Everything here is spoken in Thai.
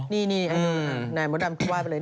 นี่ไหนบดรัมกูว่าไปเลย